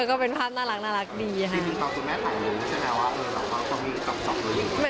แต่ก็เป็นภาพน่ารักดีค่ะ